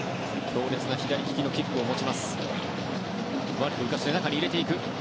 強烈な左利きのキックを持ちます。